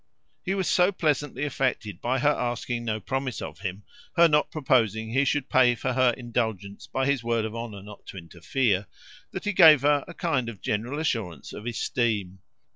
He was so pleasantly affected by her asking no promise of him, her not proposing he should pay for her indulgence by his word of honour not to interfere, that he gave her a kind of general assurance of esteem.